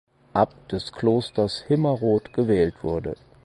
Abt des Klosters Himmerod gewählt wurde.